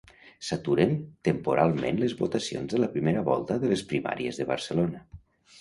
S'aturen temporalment les votacions de la primera volta de les primàries de Barcelona.